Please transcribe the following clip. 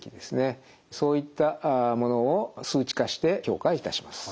そういったものを数値化して評価いたします。